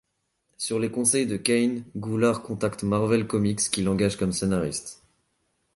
Sur les conseils de Kane, Goulart contacte Marvel Comics qui l'engage comme scénariste.